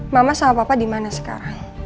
mama sama papa dimana sekarang